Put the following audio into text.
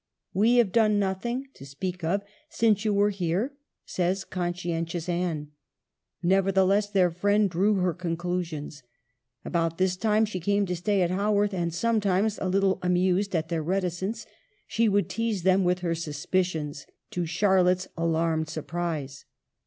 "We have done nothing (to speak of) since you were here," says conscientious Anne. Never theless their friend drew her conclusions. About this time she came to stay at Haworth, and sometimes (a little amused at their reticence) she would tease them with her suspicions, to Charlotte's alarmed surprise.